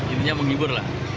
intinya menghibur lah